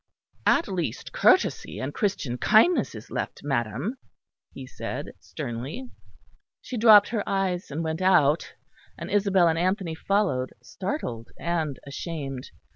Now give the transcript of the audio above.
"At least courtesy and Christian kindness is left, madam," he said sternly. She dropped her eyes and went out; and Isabel and Anthony followed, startled and ashamed.